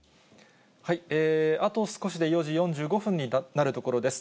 あと少しで４時４５分になるところです。